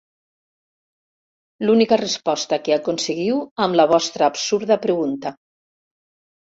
L'única resposta que aconseguiu amb la vostra absurda pregunta.